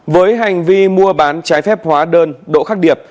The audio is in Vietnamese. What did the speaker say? với hành vi mua bán trái phép hóa đơn đỗ khắc điệp